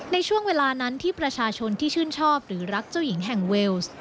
ในช่วงเวลานั้นที่ประชาชนที่ชื่นชอบหรือรักเจ้าหญิงแห่งเวลส์